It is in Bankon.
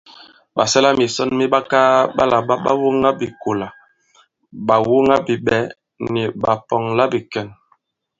Ɓàsɛlamìsɔn mi makaa ɓa làɓa ɓàwoŋabìkolà, ɓàwoŋabiɓɛ̌ ni ɓàpɔ̀ŋlabìkɛ̀n.